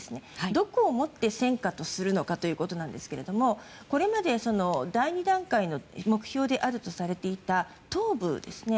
どこをもって戦果とするのかということですがこれまで第２段階の目標であるとされていた東部ですね。